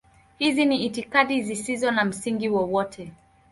Hizi ni itikadi zisizo na msingi wowote.